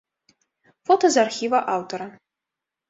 Фота з архіва аўтара.